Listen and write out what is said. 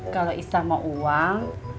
kalau isa mau uang